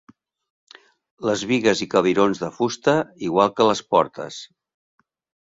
Les bigues i cabirons de fusta igual que les portes.